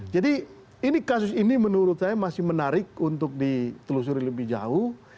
jadi ini kasus ini menurut saya masih menarik untuk ditelusuri lebih jauh